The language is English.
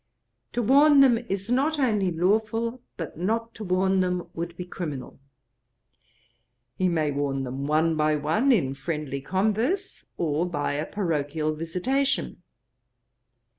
To warn them is not only lawful, but not to warn them would be criminal. He may warn them one by one in friendly converse, or by a parochial visitation.